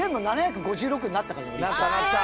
なったなった！